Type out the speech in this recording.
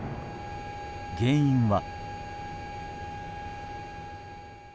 原因は。